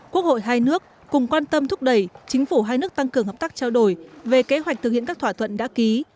quốc hội hai nước cùng quan tâm thúc đẩy chính phủ hai nước tăng cường hợp tác trao đổi về kế hoạch thực hiện các thỏa thuận đã ký